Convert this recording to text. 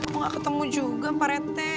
kok gak ketemu juga parete